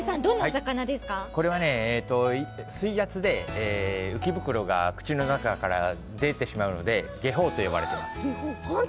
これはね、水圧で浮き袋が口の中から出てしまうのでゲホウと呼ばれています。